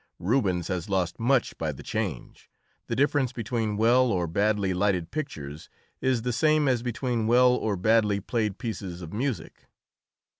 Rubens has lost much by the change: the difference between well or badly lighted pictures is the same as between well or badly played pieces of music.